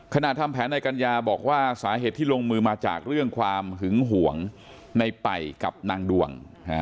ทำแผนในกัญญาบอกว่าสาเหตุที่ลงมือมาจากเรื่องความหึงห่วงในป่ายกับนางดวง